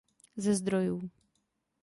Ze zdrojů.